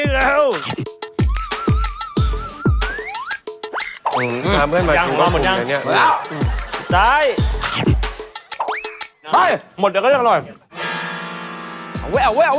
นะมากกกกกกตัวอย่างนี้แบบนี้